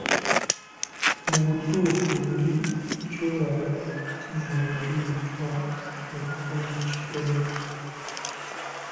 Mu butuufu buli ky'olaba kizimbiddwa okuva mu kitono